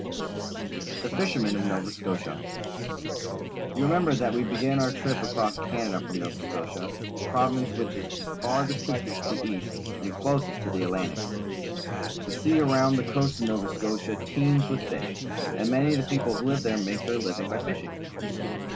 The Fishermen of Nova Scotia. — You remember that we began our trip across Canada from Nova Scotia — the province which is farthest to the east and closest to the Atlantic. The sea around the coast of Nova Scotia teems with fish, and many of the people who live there make their li\ ing by fishing.